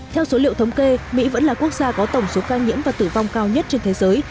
theo số liệu thống kê mỹ vẫn là quốc gia có tổng số ca nhiễm và tử vong cao nhất trên thế giới